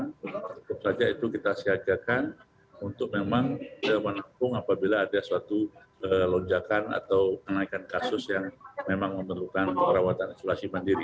cukup saja itu kita siagakan untuk memang menampung apabila ada suatu lonjakan atau kenaikan kasus yang memang memerlukan perawatan isolasi mandiri